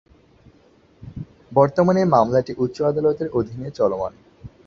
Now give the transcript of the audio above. বর্তমানে মামলাটি উচ্চ আদালতের অধীনে চলমান।